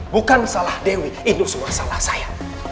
bukan salah dewi ini semua salah saya